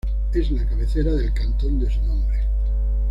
Es la cabecera del cantón de su nombre.